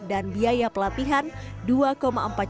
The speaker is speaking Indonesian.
dan biaya pelatihan yang diperlukan untuk penerimaan e kyc